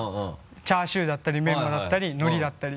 チャーシューだったりメンマだったり海苔だったり。